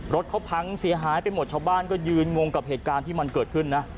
รถเขาพังเสียหายไปหมดชาวบ้านก็ยืนงงกับเหตุการณ์ที่มันเกิดขึ้นนะ